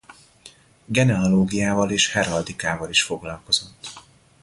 Genealógiával és heraldikával is foglalkozott.